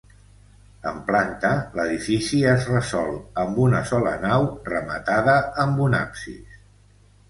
En planta, l'edifici es resol amb una sola nau, rematada amb un absis.